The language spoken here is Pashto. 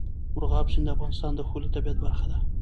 مورغاب سیند د افغانستان د ښکلي طبیعت برخه ده.